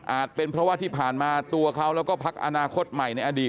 เป็นเพราะว่าที่ผ่านมาตัวเขาแล้วก็พักอนาคตใหม่ในอดีต